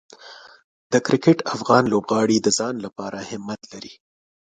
د کرکټ افغان لوبغاړي د ځان لپاره همت لري.